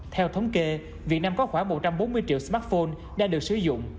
theo thống kê việt nam có khoảng một trăm bốn mươi triệu smartphone đã được sử dụng